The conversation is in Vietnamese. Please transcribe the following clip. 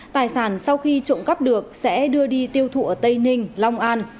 tài sản sau khi trộm cắp được sẽ đưa đi tiêu thụ ở tây ninh long an